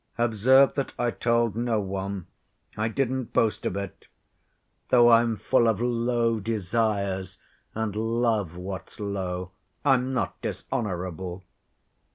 Observe that I told no one. I didn't boast of it. Though I'm full of low desires, and love what's low, I'm not dishonorable.